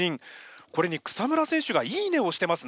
これに草村選手が「いいね！」を押してますね。